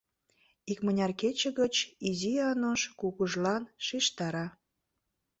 Икмыняр кече гыч Изи Ануш Кугужлан шижтара: